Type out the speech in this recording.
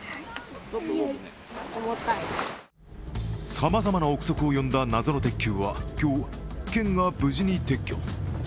さまざまな臆測を呼んだ謎の鉄球は今日、県が無事に撤去。